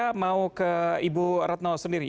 di indonesia saya mau ke ibu retno sendiri